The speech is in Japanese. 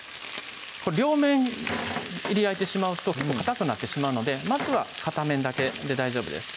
これ両面焼いてしまうとかたくなってしまうのでまずは片面だけで大丈夫です